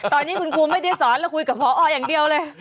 ตอนนี้คุณครูไม่ได้สอนแล้วคุยกับพออย่างเดียวเลย